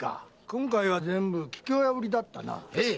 今回は全部桔梗屋売りだな。